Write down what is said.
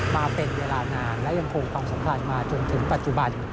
มาเป็นเวลานานและยังคงความสัมพันธ์มาจนถึงปัจจุบัน